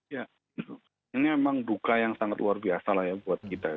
ya ini memang duka yang sangat luar biasa lah ya buat kita